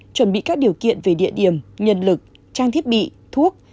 chuẩn bị các điều kiện về địa điểm nhân lực trang thiết bị thuốc